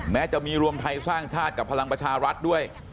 แม้จะมีรวมไทยสร้างชาติกับพลังประชารัฐด้วย